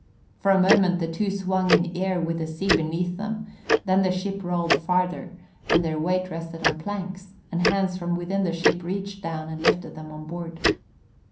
For a moment the two swung in air with the sea beneath them, then the ship rolled farther and their weight rested on planks, and hands from within the ship reached down and lifted them on board.